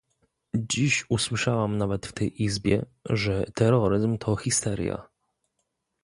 Dziś usłyszałam nawet w tej Izbie, że terroryzm to histeria